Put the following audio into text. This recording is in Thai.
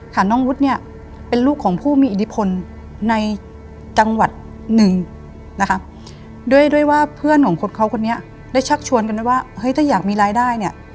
น้องวุฒิเนี่ยเป็นลูกของผู้มีอิทธิพลในจังหวัดหนึ่งนะคะด้วยว่าเพื่อนของคนเขาคนนี้ได้ชักชวนกันไว้ว่าเฮ้ยถ้าอยากมีรายได้เนี่ย